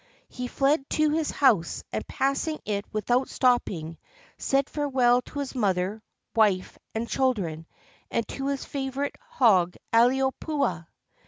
He fled to his house, and, passing it without stopping, said farewell to his mother, wife, and children, and to his favorite hog Aloipuaa.